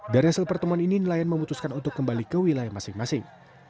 dari hasil pertemuan ini nelayan memutuskan untuk kembali ke wilayah masing masing